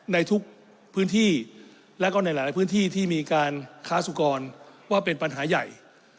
ในทุกพื้นที่และก็ในหลายพื้นที่ที่มีการค้าสุกรว่าเป็นปัญหาใหญ่